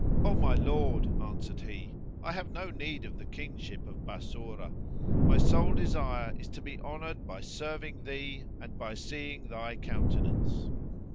"O my lord," answered he, "I have no need of the Kingship of Bassorah; my sole desire is to be honoured by serving thee and by seeing thy countenance."